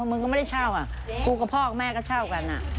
มึงก็ไม่ได้เช่าอ่ะกูกับพ่อกับแม่ก็เช่ากัน